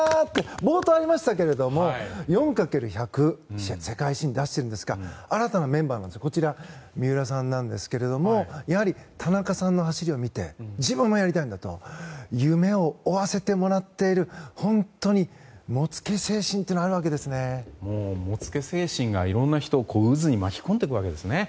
冒頭ありましたけど４×１００で世界新出してるんですが新たなメンバーのこちら、三浦さんですが田中さんの走りを見て自分もやりたいんだと夢を追わせてもらっている本当に、もつけ精神というのがあるわけですね。もつけ精神がいろんな人を渦に巻き込んでいくわけですね。